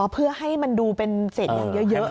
อ๋อเพื่อให้มันดูเป็นเศษเยอะแบบนั้น